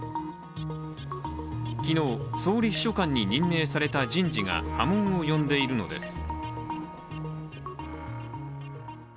昨日、総理秘書官に任命された人事が波紋を呼んでいるのです。